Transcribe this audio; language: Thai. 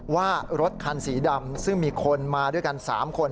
ว่ารถคันสีดำซึ่งมีคนมาด้วยกัน๓คน